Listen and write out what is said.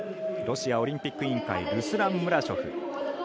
ロシアオリンピック委員会ルスラン・ムラショフ。